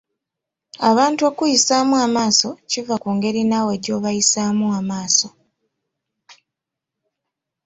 Abantu okkuyisaamu amaaso kiva ku ngeri naawe gy'obayisaamu amaaso.